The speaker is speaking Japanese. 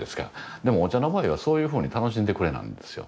でもお茶の場合はそういうふうに楽しんでくれなんですよ。